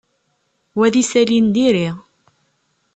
Wa d isali n diri.